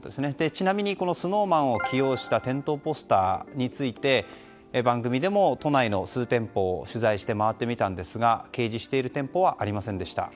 ちなみにＳｎｏｗＭａｎを起用した店頭ポスターについて番組でも、都内の数店舗を取材して回ってみたんですが掲示している店舗はありませんでした。